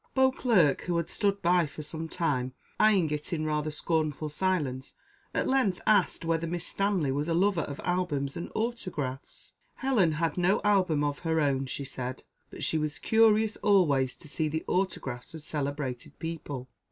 Beauclerc, who had stood by for some time, eyeing it in rather scornful silence, at length asked whether Miss Stanley was a lover of albums and autographs? Helen had no album of her own, she said, but she was curious always to see the autographs of celebrated people.